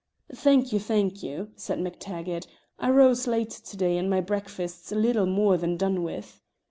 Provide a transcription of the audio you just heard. "Thank you, thank you," said MacTaggart. "I rose late to day, and my breakfast's little more than done with."